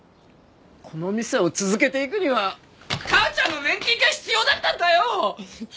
この店を続けていくには母ちゃんの年金が必要だったんだよ！